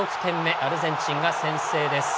アルゼンチンが先制です。